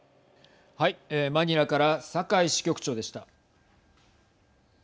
マニラから酒井支局長でした。